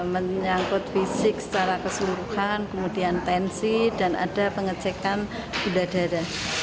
menyangkut fisik secara keseluruhan kemudian tensi dan ada pengecekan gula darah